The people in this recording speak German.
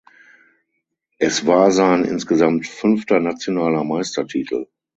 Es war sein insgesamt fünfter nationaler Meistertitel.